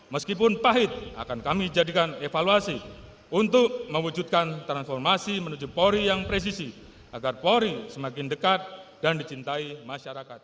meskipun pahit akan kami jadikan evaluasi untuk mewujudkan transformasi menuju polri yang presisi agar polri semakin dekat dan dicintai masyarakat